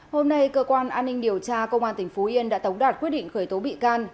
hôm nay cơ quan an ninh điều tra công an tỉnh phú yên đã tống đạt quyết định khởi tố bị can